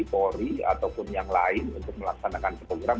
polri ataupun yang lain untuk melaksanakan program